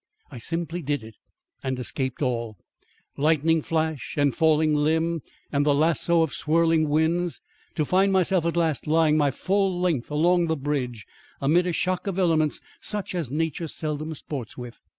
I simply did it and escaped all lightning flash and falling limb, and the lasso of swirling winds to find myself at last lying my full length along the bridge amid a shock of elements such as nature seldom sports with.